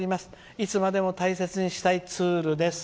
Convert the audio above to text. いつまでも大切にしたいツールです」。